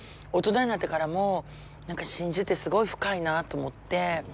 大人になってからも真珠って、すごい深いなと思って。